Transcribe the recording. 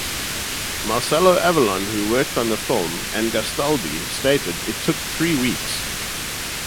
Marcello Avallone who worked on the film and Gastaldi stated it took three weeks.